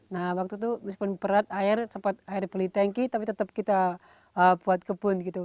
nah waktu itu meskipun berat air sempat air beli tanki tapi tetap kita buat kebun gitu